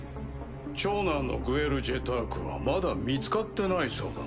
長男のグエル・ジェタークはまだ見つかってないそうだな。